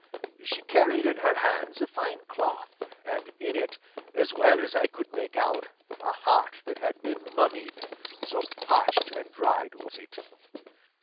She carried in her hands a fine cloth, and in it, as well as I could make out, a heart that had been mummied, so parched and dried was it.